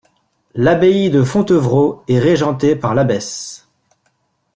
L'abbaye de Fontevraud est régentée par l'abbesse.